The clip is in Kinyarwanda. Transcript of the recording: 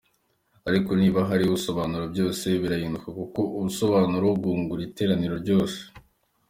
Ariko niba hariho usobanura byose birahinduka kuko ubusobanuro bwungura iteraniro ryose.